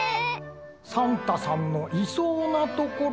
サンタさんのいそうなところ。